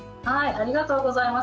ありがとうございます。